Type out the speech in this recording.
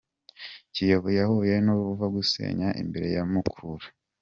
Kiyovu yahuye n’uruva gusenya imbere ya Mukura